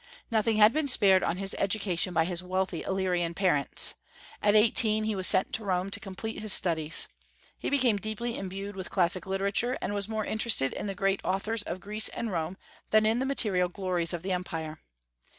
Nothing had been spared on his education by his wealthy Illyrian parents. At eighteen he was sent to Rome to complete his studies. He became deeply imbued with classic literature, and was more interested in the great authors of Greece and Rome than in the material glories of the empire.